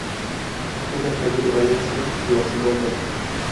Una calle de Valencia lleva su nombre.